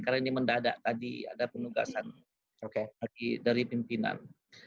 karena ini mendadak tadi ada penugasan dari pimpinan